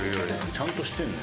ちゃんとしてるのよ。